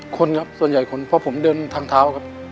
คนครับส่วนใหญ่คนเพราะผมเดินทางเท้าครับ